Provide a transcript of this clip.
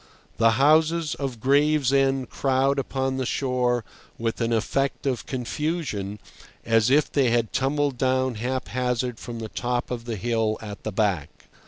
The houses of Gravesend crowd upon the shore with an effect of confusion as if they had tumbled down haphazard from the top of the hill at the back.